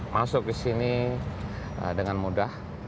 masuk ke sini dengan mudah